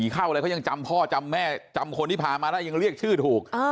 เข้าอะไรเขายังจำพ่อจำแม่จำคนที่พามาได้ยังเรียกชื่อถูก